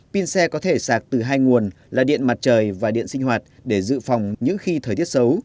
pin xe có thể sạc từ hai nguồn là điện mặt trời và điện sinh hoạt để dự phòng những khi thời tiết xấu